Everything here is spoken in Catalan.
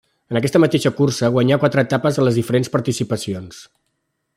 En aquesta mateixa cursa guanyà quatre etapes en les diferents participacions.